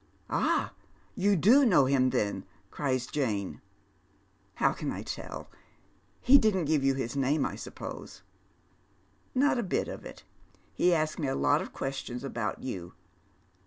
" Ah, you do know him then ?" cries Jane. " How can I tell ? He didn't tell you his name, I suppose.* _" Not a bit of it. He asked me a lot of questions about ynn.